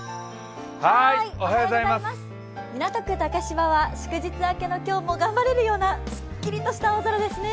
港区竹芝は祝日明けも頑張れるようなすっきりとした青空ですね。